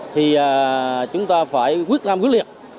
thì chúng ta phải quyết tâm quyết liệt